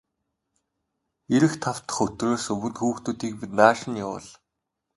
Ирэх тав дахь өдрөөс өмнө хүүхдүүдийг минь нааш нь явуул.